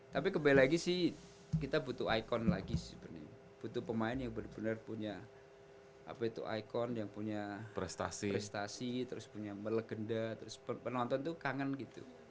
tapi kembali lagi sih kita butuh icon lagi sih bener bener butuh pemain yang bener bener punya apa itu icon yang punya prestasi terus punya melegenda terus penonton tuh kangen gitu